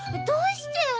どうして？